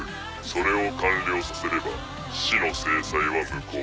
それを完了させれば死の制裁は無効。